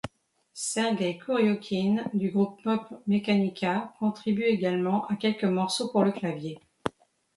Sergueï Kouriokhine du groupe Pop-Mekhanika contribue également à quelques morceaux pour le clavier.